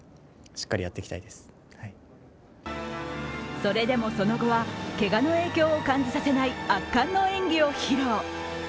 それでも、その後はけがの影響を感じさせない圧巻の演技を披露。